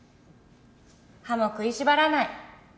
歯も食いしばらない